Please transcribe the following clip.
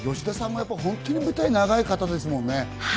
吉田さんも本当に舞台が長い方ですもんね。